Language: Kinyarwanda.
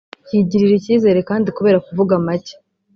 yigirira icyizere kandi kubera kuvuga macye